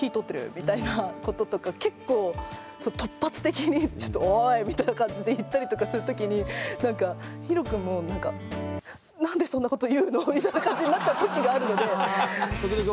結構突発的にちょっと「おーい！」みたいな感じで言ったりとかする時になんかひろ君も「なんでそんなこと言うの？」みたいな感じになっちゃう時があるので。